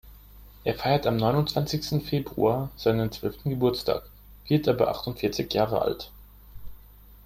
Er feiert am neunundzwanzigsten Februar seinen zwölften Geburtstag, wird aber achtundvierzig Jahre alt.